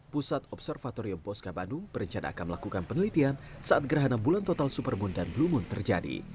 pusat observatorium bosca bandung berencana akan melakukan penelitian saat gerhana bulan total supermoon dan blue moon terjadi